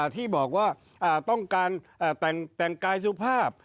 ที่บอกว่าต้องการแต่งกายสุภาพ